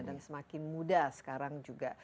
dan semakin muda sekarang juga